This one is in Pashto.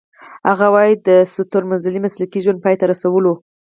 هغه وايي د ستورمزلۍ مسلکي ژوند پای ته رسولو .